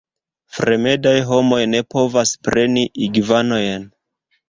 Fremdaj homoj ne povas preni igvanojn.